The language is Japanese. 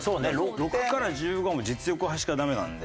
６から１５はもう実力派しかダメなんで。